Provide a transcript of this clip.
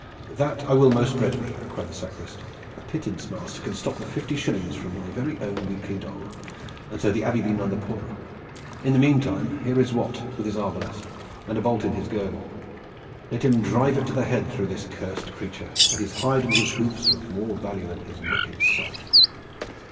"That I will most readily," cried the sacrist. "The pittance master can stop the fifty shillings from my very own weekly dole, and so the Abbey be none the poorer. In the meantime here is Wat with his arbalist and a bolt in his girdle. Let him drive it to the head through this cursed creature, for his hide and his hoofs are of more value than his wicked self."